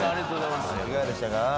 いかがでしたか？